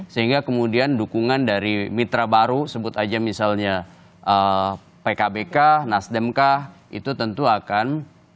sehingga kemudian dukungan dari mitra baru sebut aja misalnya pkbk nasdemk itu tentu akan